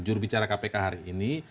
jurubicara kpk hari ini